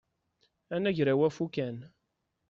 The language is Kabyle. Anagraw afukan.